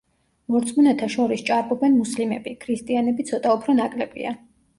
მორწმუნეთა შორის ჭარბობენ მუსლიმები; ქრისტიანები ცოტა უფრო ნაკლებია.